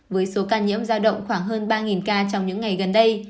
với số ca nhiễm giao động khoảng hơn ba ca trong những ngày gần đây